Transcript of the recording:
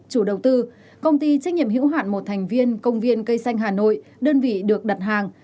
chủ đầu tư công ty trách nhiệm hữu hạn một thành viên công viên cây xanh hà nội đơn vị được đặt hàng